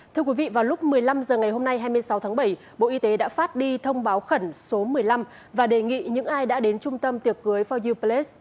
thưa quý vị vào lúc một mươi năm h ngày hôm nay hai mươi sáu tháng bảy bộ y tế đã phát đi thông báo khẩn số một mươi năm và đề nghị những ai đã đến trung tâm tiệc cưới for yuples